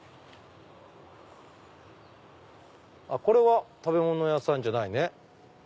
これは食べ物屋さんじゃないね。